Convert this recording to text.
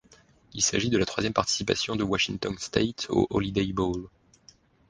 Il s'agit de la troisième participation de Washington State au Holiday Bowl.